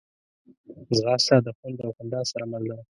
ځغاسته د خوند او خندا سره مل ده